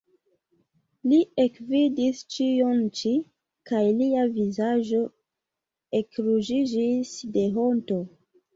Li ekvidis ĉion ĉi, kaj lia vizaĝo ekruĝiĝis de honto.